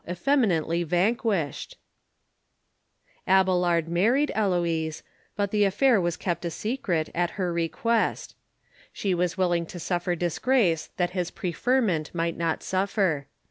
Effeminately vanquished ?" Abelard married Heloise, but the affair was kept a secret, at her request. She was willing to suffer disgrace that his preferment might not suffer.